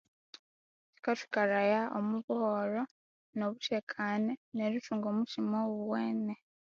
Bikathwikalhaya omu buholho nobuthekane nerithunga omuthima oghuwene